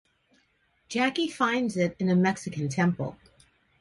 Jackie finds it in a Mexican temple.